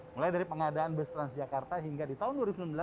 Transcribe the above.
mulai dari pengadaan bus transjakarta hingga di tahun dua ribu sembilan belas